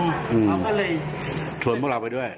เขาก็เลยชวนพวกเราไปด้วย